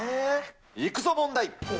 いくぞ、問題。